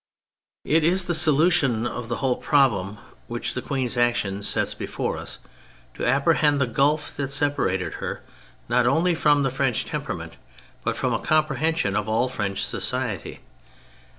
It is the solution of the whole problem which the Queen's action sets before us to apprehend the gulf that separated her not only from the French temperament, but from a comprehension of all French society.